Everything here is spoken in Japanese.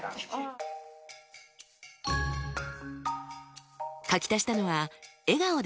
書き足したのは「笑顔でフォロー」。